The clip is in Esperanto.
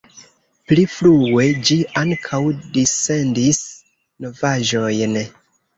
Pli frue ĝi ankaŭ dissendis novaĵojn.